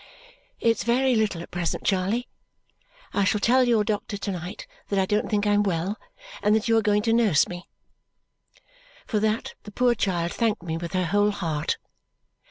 "It's very little at present, Charley. I shall tell your doctor to night that I don't think I am well and that you are going to nurse me." For that the poor child thanked me with her whole heart.